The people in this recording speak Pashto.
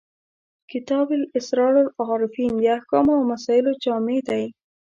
کتاب اسرار العارفین د احکامو او مسایلو جامع دی.